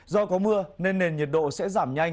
do có mưa nên nền nhiệt độ sẽ giảm nhanh